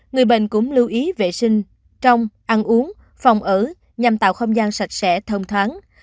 người bệnh cũng lưu ý vệ sinh trong ăn uống phòng ở nhằm tạo không gian sạch sẽ thông thoáng